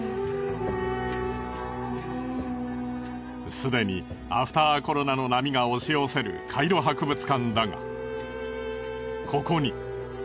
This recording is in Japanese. すでにアフターコロナの波が押し寄せるカイロ博物館だがここに存在するという。